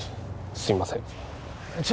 すいません